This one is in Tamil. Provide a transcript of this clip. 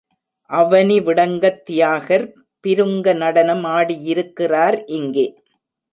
அவனிவிடங்கத் தியாகர் பிருங்க நடனம் ஆடியிருக்கிறார் இங்கே.